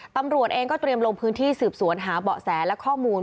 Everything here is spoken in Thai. ตำรวจเองก็เตรียมลงพื้นที่สืบสวนหาเบาะแสและข้อมูล